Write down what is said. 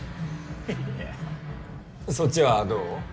いやそっちはどう？